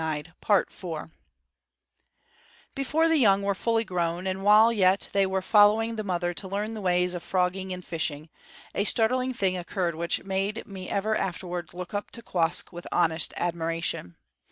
Before the young were fully grown, and while yet they were following the mother to learn the ways of frogging and fishing, a startling thing occurred which made me ever afterwards look up to Quoskh with honest admiration.